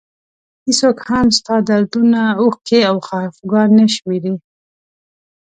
هېڅوک هم ستا دردونه اوښکې او خفګان نه شمېري.